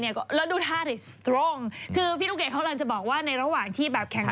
แล้วดูท่าดิสตรงคือพี่ลูกเกดเขากำลังจะบอกว่าในระหว่างที่แบบแข่ง